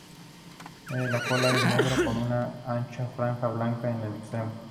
La cola es negra, con una ancha franja blanca en su extremo.